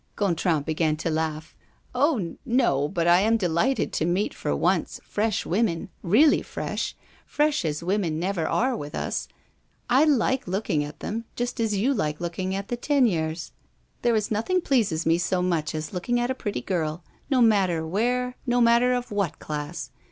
Gontran began to laugh: "Oh! no, but I am delighted to meet for once fresh women, really fresh, fresh as women never are with us. I like looking at them, just as you like looking at a Teniers. There is nothing pleases me so much as looking at a pretty girl, no matter where, no matter of what class.